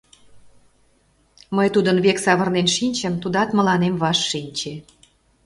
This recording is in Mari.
Мый тудын век савырнен шинчым, тудат мыланем ваш шинче.